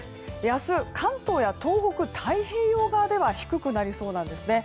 明日、関東や東北、太平洋側では低くなりそうなんです。